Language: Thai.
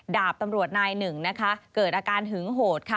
ดาบตำรวจนายหนึ่งเกิดอาการหึงโหด